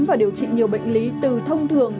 và điều trị nhiều bệnh lý từ thông thường